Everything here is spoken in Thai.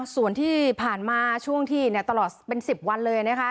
ส่วนที่ผ่านมาช่วงที่ตลอดเป็น๑๐วันเลยนะคะ